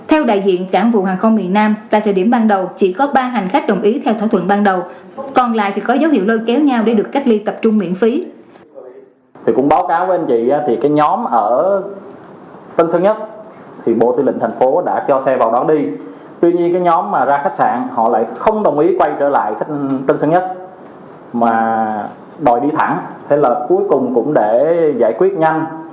hiện tại một trăm năm mươi tám hành khách đã được cách ly theo quy định